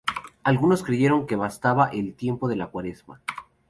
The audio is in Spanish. Algunos creyeron que bastaba el tiempo de la cuaresma.